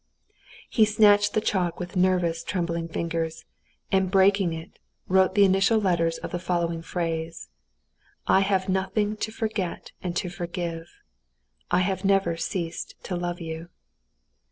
He snatched the chalk with nervous, trembling fingers, and breaking it, wrote the initial letters of the following phrase, "I have nothing to forget and to forgive; I have never ceased to love you."